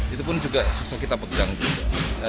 itu pun juga susah kita pegang juga